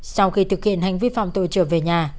sau khi thực hiện hành vi phạm tội trở về nhà